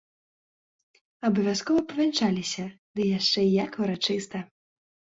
Абавязкова павянчаліся, ды яшчэ як урачыста.